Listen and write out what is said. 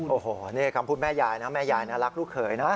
โอ้โหนี่คำพูดแม่ยายนะแม่ยายน่ารักลูกเขยนะ